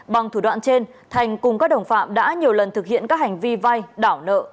bằng thủ đoạn trên thành cùng các đồng phạm đã nhiều lần thực hiện các hành vi vay đảo nợ